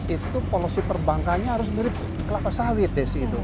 itu polosi perbankannya harus mirip kelapa sawit ya sih itu